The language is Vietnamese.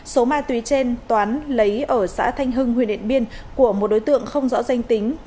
số ma túy trên toán lấy ở xã thanh hưng huyện điện biên của một đối tượng không rõ danh tính